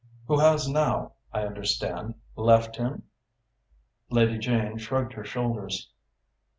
"Who has now, I understand, left him?" Lady Jane shrugged her shoulders.